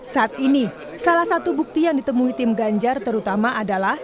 saat ini salah satu bukti yang ditemui tim ganjar terutama adalah